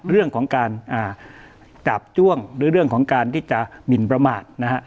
เรื่องของการจาบจ้วงหรือเรื่องของการที่จะหมินประมาทนะฮะ